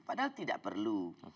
padahal tidak perlu